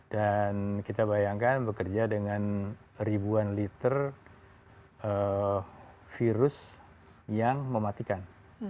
dan kita bayangkan bekerja dengan ribuan liter virus yang mematikan